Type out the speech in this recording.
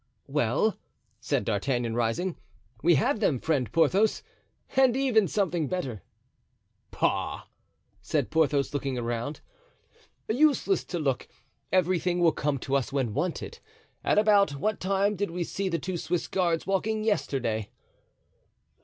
"Well," said D'Artagnan, rising, "we have them, friend Porthos, and even something better." "Bah!" said Porthos, looking around. "Useless to look; everything will come to us when wanted. At about what time did we see the two Swiss guards walking yesterday?"